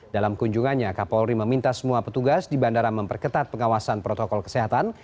dalam kunjungannya kapolri meminta semua petugas di bandara memperketat pengawasan protokol kesehatan